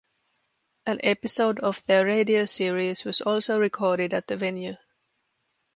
An episode of their radio series was also recorded at the venue.